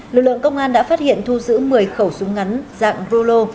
lực lượng công an đã phát hiện thu giữ một mươi khẩu súng ngắn dạng rulo